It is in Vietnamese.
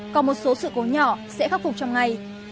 còn một số sự cố nhỏ sẽ khắc phục trong ngày